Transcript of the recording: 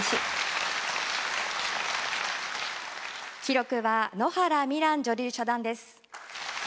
記録は野原未蘭女流初段です。